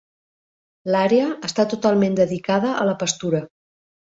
L'àrea està totalment dedicada a la pastura.